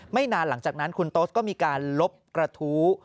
นานหลังจากนั้นคุณโต๊สก็มีการลบกระทู้